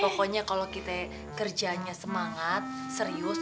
pokoknya kalau kita kerjanya semangat serius